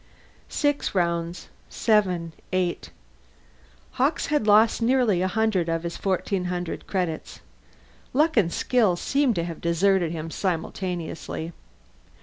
Six rounds. Seven. Eight. Hawkes had lost nearly a hundred of his fourteen hundred credits. Luck and skill seemed to have deserted him simultaneously.